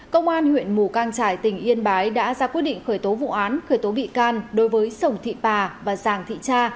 công an huyện mù cang trải tỉnh yên bái đã ra quyết định khởi tố vụ án khởi tố bị can đối với sồng thị pà và giàng thị cha